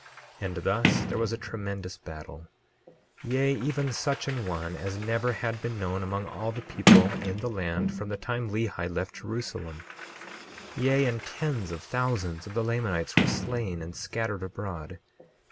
28:2 And thus there was a tremendous battle; yea, even such an one as never had been known among all the people in the land from the time Lehi left Jerusalem; yea, and tens of thousands of the Lamanites were slain and scattered abroad.